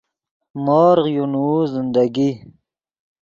مورغ یو نوؤ زندگی